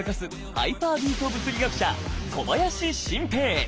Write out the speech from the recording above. ハイパービート物理学者小林晋平！